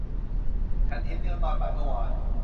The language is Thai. ฉันเห็นเนลตอนบ่ายเมื่อวาน